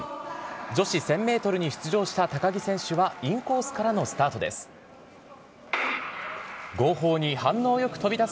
女子１０００メートルに出場した高木選手は、インコースからのスタートです。